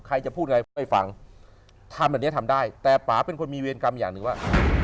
ใครจะพูดอะไรผมไปฟังทำแบบนี้ทำได้แต่ป่าเป็นคนมีเวรกรรมอย่างหนึ่งว่า